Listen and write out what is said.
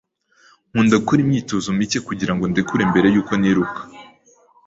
Nkunda gukora imyitozo mike kugirango ndekure mbere yuko niruka.